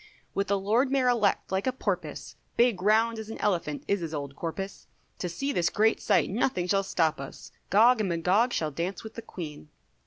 With the Lord Mayor Elect like a porpoise, Big round as an elephant is his old corpus, To see this great sight nothing shall stop us, Gog and Magog shall dance with the Queen.